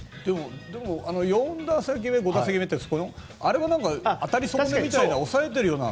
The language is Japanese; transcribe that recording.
でも４打席目、５打席目ってあれは当たり損ねみたいな押さえているみたいな。